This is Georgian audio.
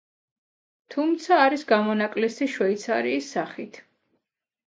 თუმცა არის გამონაკლისი შვეიცარიის სახით.